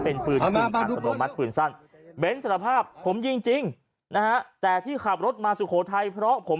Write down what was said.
เป็นปืนยิงอัตโนมัติปืนสั้นเบ้นสารภาพผมยิงจริงนะฮะแต่ที่ขับรถมาสุโขทัยเพราะผม